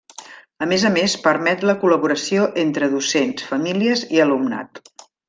A més a més, permet la col·laboració entre docents, famílies i alumnat.